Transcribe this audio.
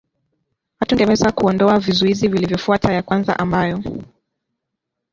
hatungeweza kuondoa vizuizi vilivyofuata ya kwanza ambayo